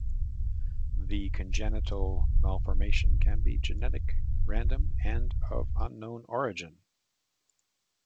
The congenital malformation can be genetic random and of unknown origin.